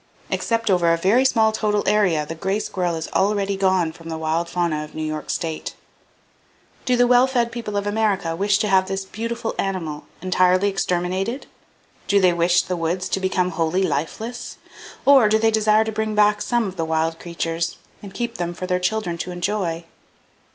Except over a very small total area, the gray squirrel is already gone from the wild fauna of New York State! Do the well fed people of America wish to have this beautiful animal entirely exterminated? Do they wish the woods to become wholly lifeless? Or, do they desire to bring back some of the wild creatures, and keep them for their children to enjoy?